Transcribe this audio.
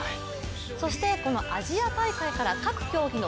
そしてアジア大会から各競技の